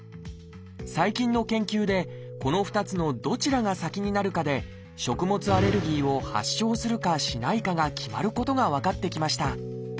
最近の研究でこの２つのどちらが先になるかで食物アレルギーを発症するかしないかが決まることが分かってきました。